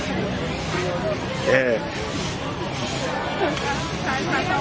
สุดท้ายสุดท้ายสุดท้าย